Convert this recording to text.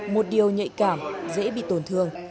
một điều nhạy cảm dễ bị tổn thương